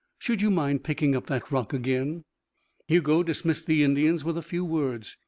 Should you mind picking up that rock again?" Hugo dismissed the Indians with a few words.